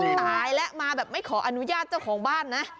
ตายแล้วมาแบบไม่ขออนุญาตเจ้าของบ้านนะ